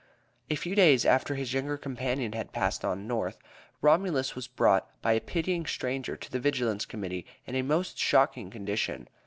A few days after his younger companion had passed on North, Romulus was brought by a pitying stranger to the Vigilance Committee, in a most shocking condition.